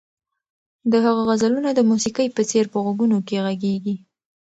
د هغه غزلونه د موسیقۍ په څېر په غوږونو کې غږېږي.